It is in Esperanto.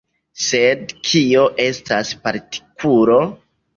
Sed kio estas partikulo?